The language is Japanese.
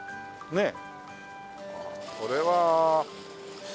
ねえ。